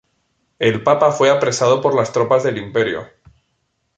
El papa fue apresado por las tropas del imperio.